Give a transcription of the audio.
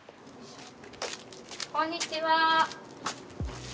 こんにちは。